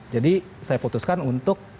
jadi saya putuskan untuk